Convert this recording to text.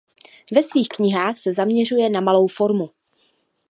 Ve svých knihách se zaměřuje na malou formu.